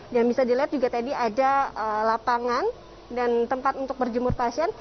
dan bisa dilihat juga tadi ada lapangan dan tempat untuk berjemur pasien